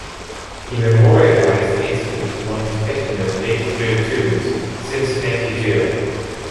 He memorialized the incident in one of his better-known late-career tunes, "Cincinnati Jail".